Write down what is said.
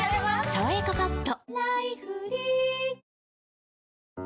「さわやかパッド」